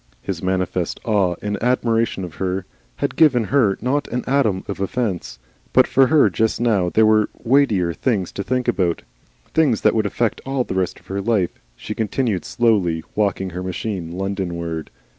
His manifest awe and admiration of her had given her not an atom of offence. But for her just now there were weightier things to think about, things that would affect all the rest of her life. She continued slowly walking her machine Londonward.